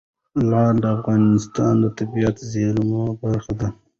لعل د افغانستان د طبیعي زیرمو برخه ده.